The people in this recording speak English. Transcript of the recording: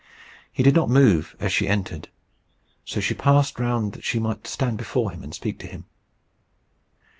He did not move as she entered, so she passed round that she might stand before him and speak to him.